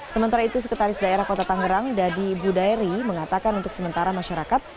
sementara itu sekretaris daerah kota tangerang dadi budaeri mengatakan untuk sementara masyarakat